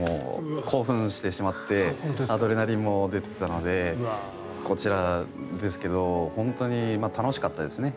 興奮してしまってアドレナリンも出ていたのでこちらですけど本当に楽しかったですね。